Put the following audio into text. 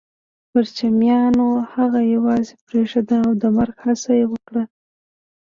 پرچمیانو هغه يوازې پرېښود او د مرګ هڅه يې وکړه